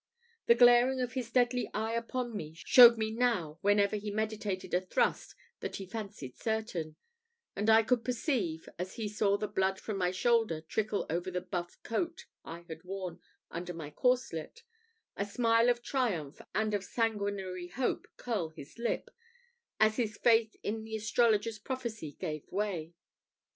The glaring of his deadly eye upon me showed me now whenever he meditated a thrust that he fancied certain; and I could perceive, as he saw the blood from my shoulder trickle over the buff coat I had worn under my corslet, a smile of triumph and of sanguinary hope curl his lip, as his faith in the astrologer's prophecy gave way.